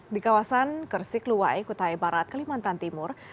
di kawasan kersikluwai kutai barat kalimantan timur